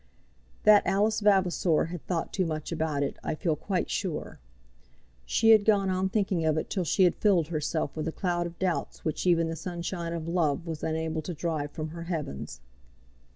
That Alice Vavasor had thought too much about it, I feel quite sure. She had gone on thinking of it till she had filled herself with a cloud of doubts which even the sunshine of love was unable to drive from her heavens.